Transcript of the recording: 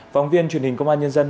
phóng viên truyền hình công an nhân dân